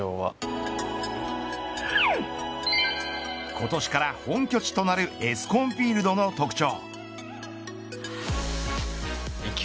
今年から本拠地となるエスコンフィールドの特徴。